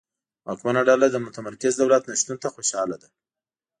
واکمنه ډله د متمرکز دولت نشتون ته خوشاله ده.